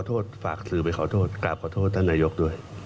ก็ขอโทษฝากสื่อไปขอโทษกลับขอโทษนายกด้วย